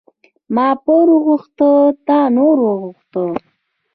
ما پور غوښته، تا نور غوښته.